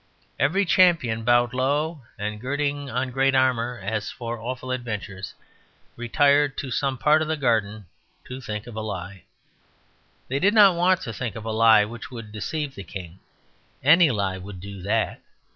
Every champion bowed low, and, girding on great armour as for awful adventures, retired to some part of the garden to think of a lie. They did not want to think of a lie which would deceive the king; any lie would do that.